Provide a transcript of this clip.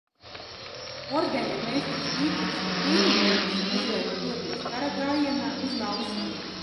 Ordeņa mestrs Dītrihs no Grīningenas izlēma doties karagājienā uz Nalseni.